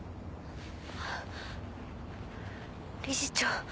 理事長。